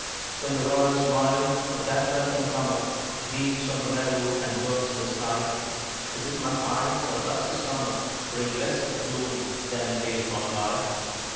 When the royal smile of that welcome comer Beams on the meadow and burns in the sky, Is it my eyes, or does the Summer Bring less of bloom than in days gone by?